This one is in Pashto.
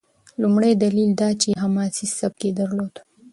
لومړی دلیل دا دی چې حماسي سبک یې درلود.